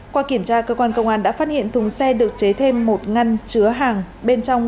qua kiểm tra cơ quan công an đã phát hiện thùng xe được chế thêm một ngăn chứa hàng bên trong